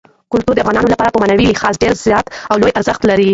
کلتور د افغانانو لپاره په معنوي لحاظ ډېر زیات او لوی ارزښت لري.